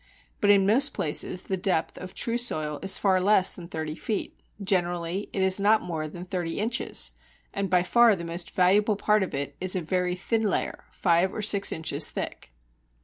But in most places the depth of true soil is far less than thirty feet, generally it is not more than thirty inches, and by far the most valuable part of it is a very thin layer five or six inches thick.